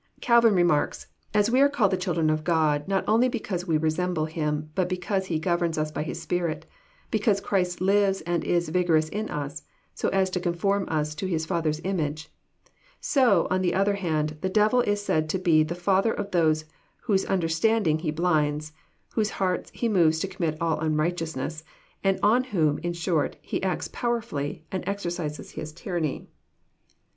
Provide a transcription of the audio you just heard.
Calvin remarks : "As we are called the children of God, not only because we resemble Him, but because He governs us by His Spirit, — because Christ lives and is vigorous in us, so as to conform us to His Father's image ; so, on the other hand, the devU is said to be the father of those whose understandings he blinds, whose hearts he moves to commit all unrighteousness, and on whom, in short, he acts powerfully, and ^exercises his tyranny."